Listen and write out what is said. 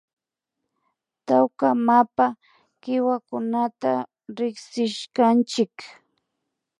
Tawka mapa kiwakunata rikshishkanchik